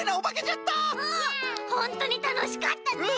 ほんとにたのしかったね！